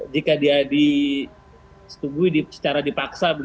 jika dia disetujui secara dipaksa